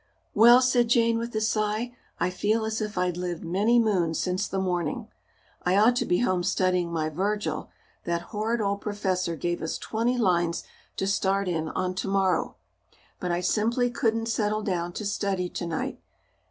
"Well," said Jane with a sigh, "I feel as if I'd lived many moons since the morning. I ought to be home studying my Virgil that horrid old professor gave us twenty lines to start in on tomorrow. But I simply couldn't settle down to study tonight.